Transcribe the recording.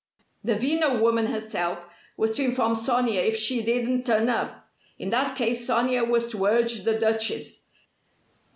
"The Veno woman herself was to inform Sonia if she didn't turn up. In that case Sonia was to urge the Duchess.